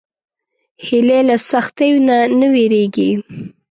هیلۍ له سختیو نه نه وېرېږي